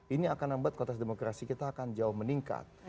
ini akan membuat konteks demokrasi kita akan jauh meningkat